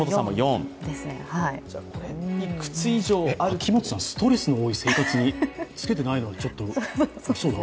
秋元さん、ストレスの多い生活につけてないの、うそだ！